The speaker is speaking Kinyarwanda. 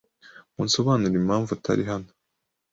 Munsobanurire impamvu atari hano.